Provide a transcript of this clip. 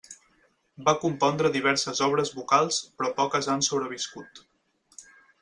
Va compondre diverses obres vocals però poques han sobreviscut.